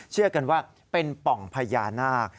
เชื่อกันว่าเป็นป่องพญานาค